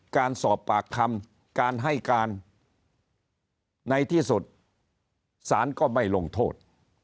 การสอบปากคำการให้การในที่สุดสารก็ไม่ลงโทษ